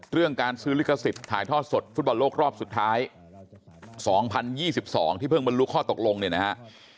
เรื่องการซื้อลิขสิทธิ์ถ่ายทอดสดฟุตบอลโลกรอบสุดท้าย๒๐๒๒ที่เพิ่งบรรลุข้อตกลงเนี่ยนะฮะ